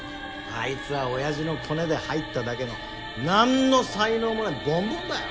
アイツは親父のコネで入っただけの何の才能も無いボンボンだよ！